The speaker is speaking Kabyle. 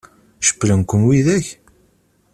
Cewwlen-kem widak?